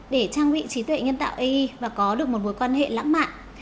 để trang bị trí tuệ nhân tạo ai và có được một mối quan hệ lãng mạn